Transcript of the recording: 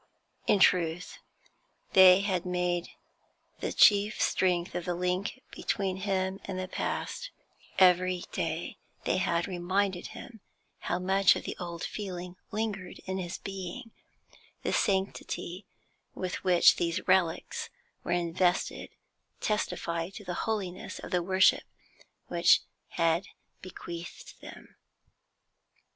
In truth, they had made the chief strength of the link between him and the past; every day they had reminded him how much of the old feeling lingered in his being; the sanctity with which these relics were invested testified to the holiness of the worship which had bequeathed them.